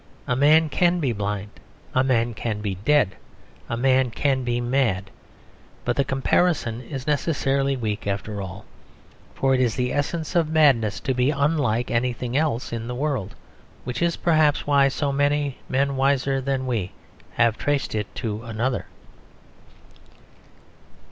A man can be blind; a man can be dead; a man can be mad. But the comparison is necessarily weak, after all. For it is the essence of madness to be unlike anything else in the world: which is perhaps why so many men wiser than we have traced it to another.